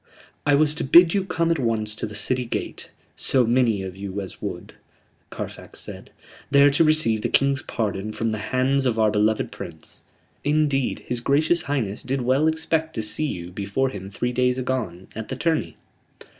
"I was to bid you come at once to the City gate, so many of you as would," Carfax said, "there to receive the King's pardon from the hands of our beloved Prince. Indeed, his gracious Highness did well expect to see you before him three days agone, at the tourney."